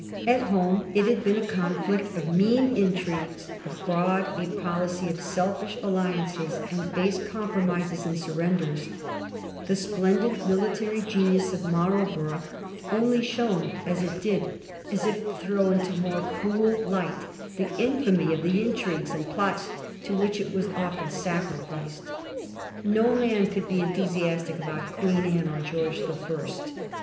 At home it had been a conflict of mean intrigues ; abroad, a policy of selfish alliances and base compromises and surrenders. The splendid military genius of Marlborough only Digiti zed by Google 218 A fflSTORY OF THE FOUR GEORGES. ch. ix, shone as it did as if to throw into more cruel light the infamy of the intrigues and plots to which it was often sacrificed. No man could be enthusiastic about Queen Anne or George the First.